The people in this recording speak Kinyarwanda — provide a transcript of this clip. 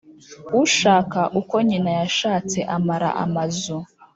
Ushaka uko nyina yashatse amara amazu.